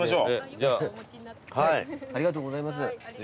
ありがとうございます。